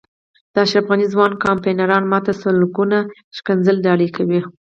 د اشرف غني ځوان کمپاینران ما ته سلګونه ښکنځلې ډالۍ کوي.